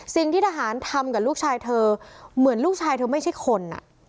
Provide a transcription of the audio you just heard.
สิ่งที่ทหารทำกับลูกชายเธอเหมือนลูกชายเธอไม่ใช่คน